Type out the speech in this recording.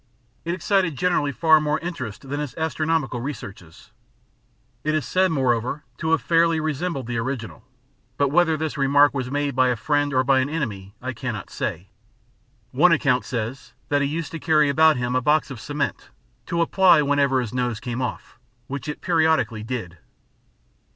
It excited generally far more interest than his astronomical researches. It is said, moreover, to have very fairly resembled the original, but whether this remark was made by a friend or by an enemy I cannot say. One account says that he used to carry about with him a box of cement to apply whenever his nose came off, which it periodically did.